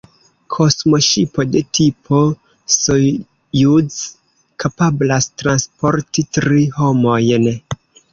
Kosmoŝipo de tipo Sojuz kapablas transporti tri homojn.